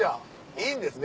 いいんですね？